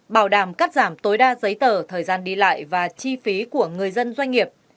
bảo đảm cắt giảm tối đa giấy tờ thời gian đi lại và chi phí của người dân doanh nghiệp